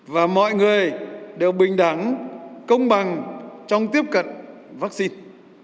và mọi người đều bình đẳng công bằng trong tiếp cận vaccine